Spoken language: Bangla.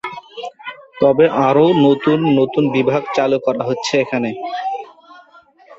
তবে আরো নতুন নতুন বিভাগ চালু করা হচ্ছে এখানে।